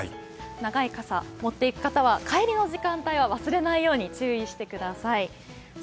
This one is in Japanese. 長い傘、持って行く方は帰りの時間帯は忘れないように注意してください。